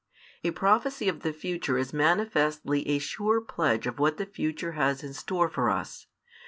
A prophecy of the future is manifestly a sure pledge of what the future has in store for us.